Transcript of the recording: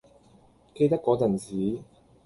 記得嗰陣時